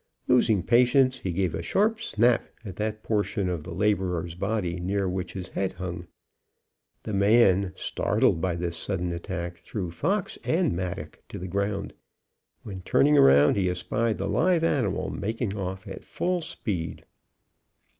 Losing patience, he gave a sharp snap at that portion of the labourer's body near which his head hung. The man, startled by this sudden attack, threw fox and mattock to the ground, when, turning round, he espied the live animal making off at full speed.